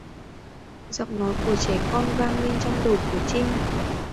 Giọng nói của trẻ con lại vang lên trong đầu của Trinh